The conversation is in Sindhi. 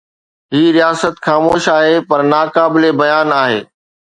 هي رياست خاموش آهي پر ناقابل بيان آهي.